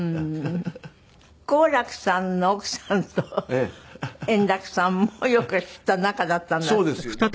好楽さんの奥さんと円楽さんもよく知った仲だった。